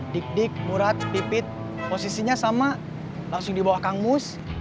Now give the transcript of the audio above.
dikdik murad pipit posisinya sama langsung dibawah kang mus